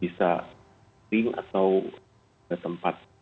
bisa sing atau tidak tempat